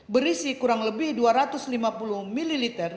berisi kurang lebih dua ratus lima puluh ml